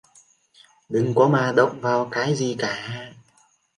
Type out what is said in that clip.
Đừng có mà động vào gì cả